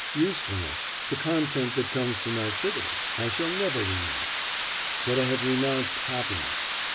Usefulness, the content that comes from activity, I shall never renounce; but I have renounced happiness.